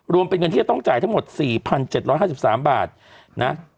รวมเป็นเงินที่จะต้องจ่ายทั้งหมดสี่พันเจ็ดร้อยห้าสิบสามบาทนะ